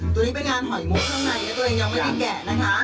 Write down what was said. ตัวนี้เป็นงานถอยมุกข้างในตัวเองยังไม่ได้แกะนะคะ